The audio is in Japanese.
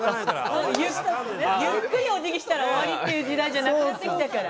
ゆっくりお辞儀したら終わりっていう時代じゃなくなってきたから。